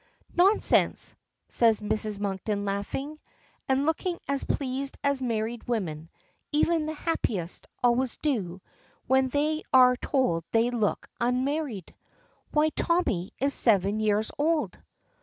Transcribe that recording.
"Nonsense!" says Mrs. Monkton laughing, and looking as pleased as married women even the happiest always do, when they are told they look _un_married. "Why Tommy is seven years old."